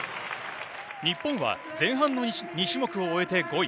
日本は前半の２種目を終えて、５位。